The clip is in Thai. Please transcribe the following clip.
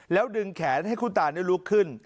แล้วดึงแขนให้คุณตาลุกขึ้น